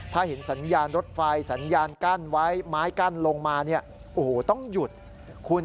ถ้าเห็นสัญญาณรถไฟสัญญาณกั้นไว้ไม้กั้นลงมาเนี่ยโอ้โหต้องหยุดคุณ